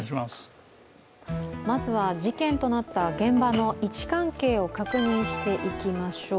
まずは事件となった現場の位置関係を確認していきましょう。